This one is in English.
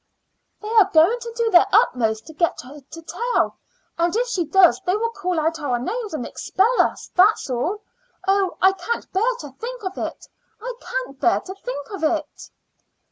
"They are going to do their utmost to get her to tell; and if she does tell they will call out our names and expel us, that's all. Oh! I can't bear to think of it I can't bear to think of it."